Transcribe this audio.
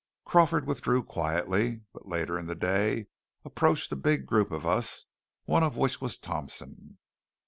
Crawford withdrew quietly, but later in the day approached a big group of us, one of which was Thompson.